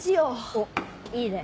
おっいいね。